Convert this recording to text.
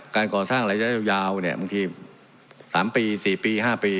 การก่อสร้างระยะยาวเนี่ยบางที๓ปี๔ปี๕ปี